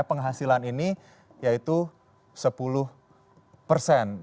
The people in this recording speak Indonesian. penghasilan ini yaitu sepuluh persen